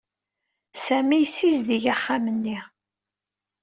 Sami yessizdig axxam-nni.